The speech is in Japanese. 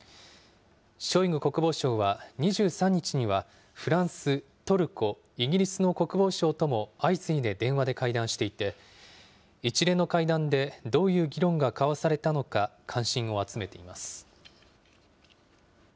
ショイグ国防相は２３日にはフランス、トルコ、イギリスの国防相とも相次いで電話で会談していて、一連の会談でどういう議論が交わされたのか関心を集めています。